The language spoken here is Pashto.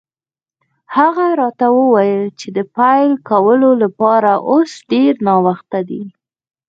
هغه راته وویل چې د پیل کولو لپاره اوس ډېر ناوخته دی.